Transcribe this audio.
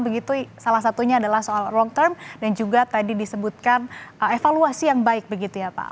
begitu salah satunya adalah soal long term dan juga tadi disebutkan evaluasi yang baik begitu ya pak